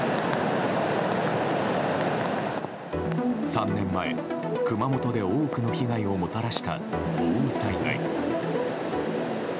３年前、熊本で多くの被害をもたらした豪雨災害。